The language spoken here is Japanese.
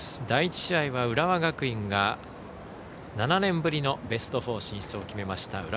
第１試合は浦和学院が７年ぶりのベスト４進出を決めました。